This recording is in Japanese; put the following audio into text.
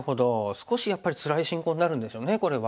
少しやっぱりつらい進行になるんですよねこれは。